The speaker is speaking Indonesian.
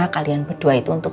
kalian berdua itu untuk